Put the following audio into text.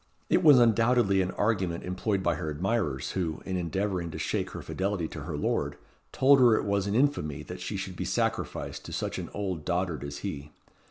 It was undoubtedly an argument employed by her admirers, who, in endeavouring to shake her fidelity to her lord, told her it was an infamy that she should be sacrificed to such an old dotard as he.